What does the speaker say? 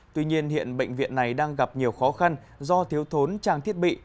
tuy nhiên hiện bệnh viện này đang gặp nhiều khó khăn do thiếu thốn trang thiết bị